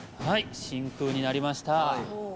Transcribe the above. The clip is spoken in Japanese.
はい、真空になりました。